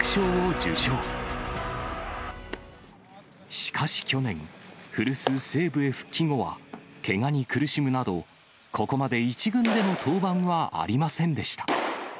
しかし去年、古巣、西武へ復帰後はけがに苦しむなど、ここまで１軍での登板はありませんでした。